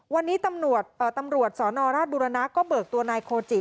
วันนี้ตำรวจสนราชบุรณะก็เบิกตัวนายโคจิ